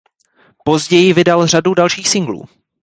Později vydal řadu dalších singlů.